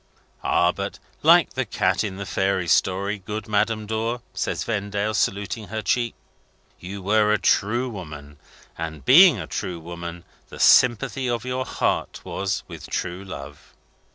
"Ah! But like the cat in the fairy story, good Madame Dor," says Vendale, saluting her cheek, "you were a true woman. And, being a true woman, the sympathy of your heart was with true love."